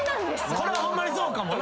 これホンマにそうかもな。